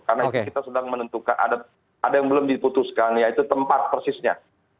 karena kita sedang menentukan ada yang belum diputuskan yaitu tempat persisnya